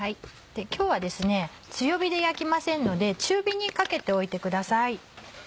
今日は強火で焼きませんので中火にかけておいてください。